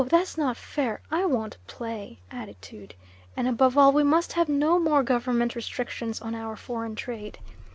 that's not fair; I won't play" attitude and above all we must have no more Government restrictions on our foreign trade.